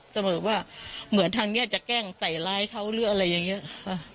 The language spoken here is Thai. เสมอว่าเหมือนทางนี้จะแกล้งใส่ร้ายเขาหรืออะไรอย่างนี้ค่ะ